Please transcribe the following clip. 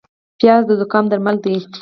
پیاز د زکام درمل دی